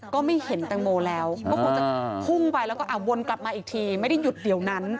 ก็ไม่เห็นแตงโมแล้วก็คงจะพุ่งไปแล้วก็วนกลับมาอีกทีไม่ได้หยุดเดี๋ยวนั้น